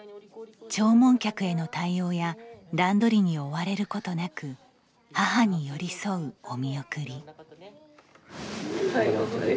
弔問客への対応や段取りに追われることなく母に寄り添うお見送り。